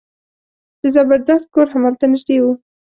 د زبردست کور همدلته نژدې و.